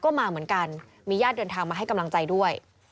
ก็มาเหมือนกันมีญาติเดินทางมาให้กำลังใจด้วย